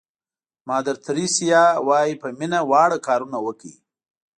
مادر تریسیا وایي په مینه واړه کارونه وکړئ.